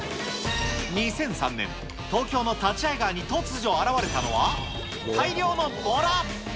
２００３年、東京の立会川に突如現れたのは、大量のボラ。